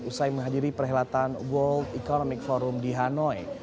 usai menghadiri perhelatan world economic forum di hanoi